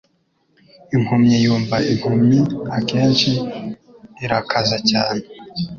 Impumyi yumva impumyi akenshi irakaze cyane